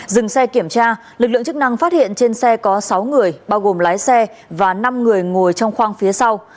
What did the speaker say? dừng xe kiểm tra lực lượng chức năng phát hiện trên xe có sáu người bao gồm lái xe và năm người ngồi trong khoang phía sau